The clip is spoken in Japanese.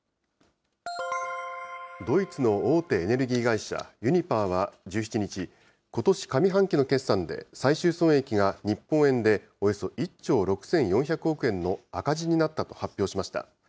ドイツの大手エネルギー会社、ユニパーは１７日、ことし上半期の決算で、最終損益が日本円でおよそ１兆６４００億円の赤字になったと発表しました。